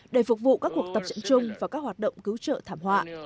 để phục vụ các cuộc tập trận chung và các hoạt động cứu trợ thảm họa